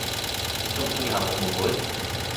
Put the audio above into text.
你唔鍾意校服妹妹？